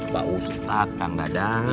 pak ustadz kang dadang